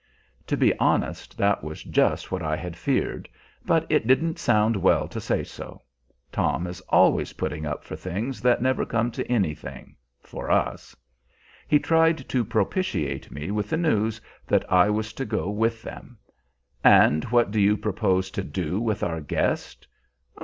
To be honest, that was just what I had feared; but it didn't sound well to say so. Tom is always putting up for things that never come to anything for us. He tried to propitiate me with the news that I was to go with them. "And what do you propose to do with our guest?"